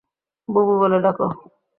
বুবু বলে ডাকো।